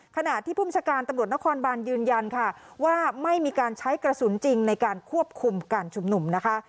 ขณะที่ภูมิชาการตำรวจนครบานยืนยันค่ะว่าไม่มีการใช้กระสุนจริงในการควบคุมการชุมนุมนะคะ